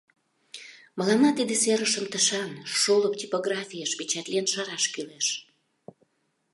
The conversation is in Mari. Мыланна тиде серышым тышан, шолып типографиеш, печатлен шараш кӱлеш.